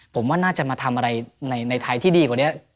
ผมว่าน่าจะมาทำอะไรในไทยที่ดีกว่านี้